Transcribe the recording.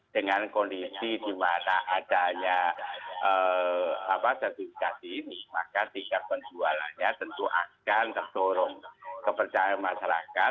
dengan kondisi di mana adanya sertifikasi ini maka tingkat penjualannya tentu akan terdorong kepercayaan masyarakat